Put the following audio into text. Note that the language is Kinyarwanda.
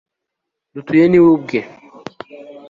dutuye ni we ubwe